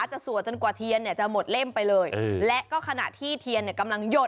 สวดจนกว่าเทียนเนี่ยจะหมดเล่มไปเลยและก็ขณะที่เทียนเนี่ยกำลังหยด